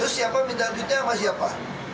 terus siapa pindah duitnya sama siapa